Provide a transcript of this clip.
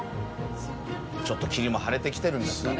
霧も晴れてきてるんですかね。